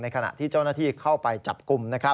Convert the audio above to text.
ขณะที่เจ้าหน้าที่เข้าไปจับกลุ่ม